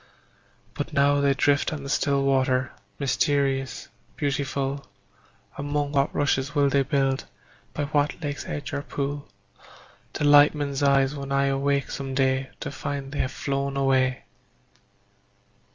But now they drift on the still water, Mysterious, beautiful; Among what rushes will they build, By what lake's edge or pool Delight men's eyes when I awake some day To find they have flown away?